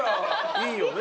いいよね